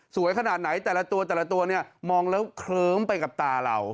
ขนาดไหนแต่ละตัวแต่ละตัวเนี่ยมองแล้วเคลิ้มไปกับตาเรา